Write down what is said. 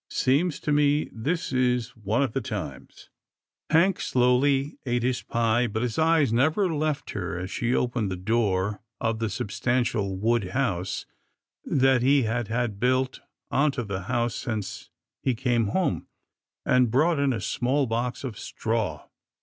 Seems to me this is one of the times." Hank slowly ate his pie, but his eyes never left her as she opened the door of the substantial wood house that he had had built on to the house since he came home, and brought in a small box of straw.